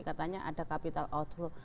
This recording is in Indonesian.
katanya ada capital outflow